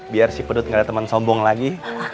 biar si pedut gak ada teman sombong lagi